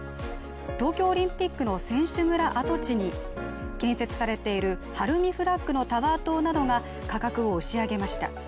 東京オリンピックの選手村跡地に建設されているハルミフラッグのタワー棟などが価格を押し上げました。